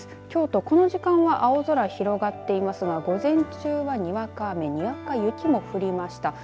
京都、この時間は青空、広がっていますが午前中はにわか雨にわか雪も降りました。